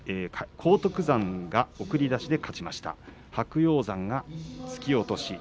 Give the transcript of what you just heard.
荒篤山が送り出して勝ちました。